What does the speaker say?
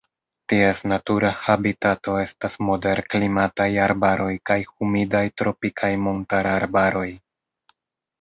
Ties natura habitato estas moderklimataj arbaroj kaj humidaj tropikaj montararbaroj.